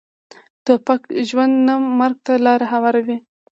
توپک ژوند نه، مرګ ته لاره هواروي.